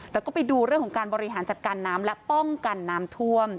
แต่ก็ไปดูเรื่องของการบริหารจัดการน้ำและป้องกันน้ำท่วม